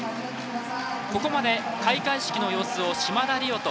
ここまで開会式の様子を島田莉生と。